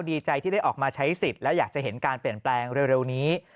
ดีใจที่ได้ออกมาใช้สิทธิ์และอยากจะเห็นการเปลี่ยนแปลงเร็วนี้